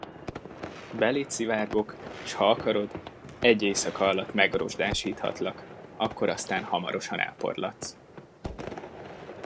Beléd szivárgok, s ha akarod, egy éjszaka alatt megrozsdásíthatlak, akkor aztán hamarosan elporladsz.